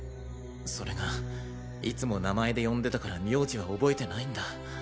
それがいつも名前で呼んでたから名字は憶えてないんだ。